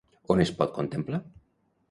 On es pot contemplar?